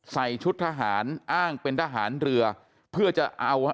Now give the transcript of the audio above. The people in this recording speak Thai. ใส่ชุดทหารอ้างเป็นทหารเรือเพื่อจะเอาฮะ